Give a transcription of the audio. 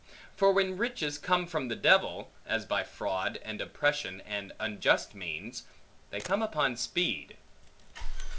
For when riches come from the devil (as by fraud and oppression, and unjust means), they come upon speed.